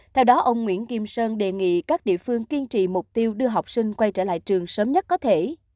theo đó ông nguyễn kim sơn đề nghị các địa phương kiên trì mục tiêu đưa học sinh quay trở lại trường sớm nhất có thể